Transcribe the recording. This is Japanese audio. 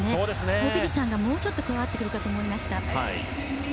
オビリさんが、もうちょっと加わってくるかと思いました。